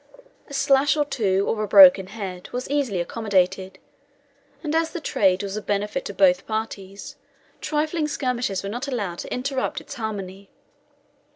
A slash or two, or a broken head, was easily accommodated, and as the trade was of benefit to both parties, trifling skirmishes were not allowed to interrupt its harmony.